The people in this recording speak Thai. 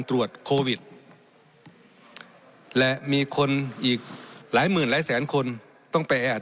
ตรวจโควิดและมีคนอีกหลายหมื่นหลายแสนคนต้องไปแอด